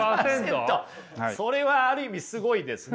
それはある意味すごいですね。